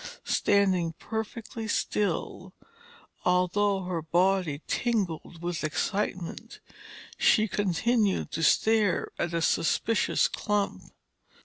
Standing perfectly still, although her body tingled with excitement, she continued to stare at the suspicious clump.